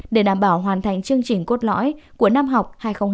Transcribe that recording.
để đảm bảo hoàn thành chương trình cốt lõi của năm học hai nghìn hai mươi hai nghìn hai mươi